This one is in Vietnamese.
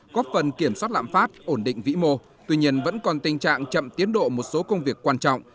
góp phần kiểm soát lạm phát ổn định vĩ mô tuy nhiên vẫn còn tình trạng chậm tiến độ một số công việc quan trọng